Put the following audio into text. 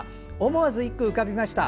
思わず１句浮かびました。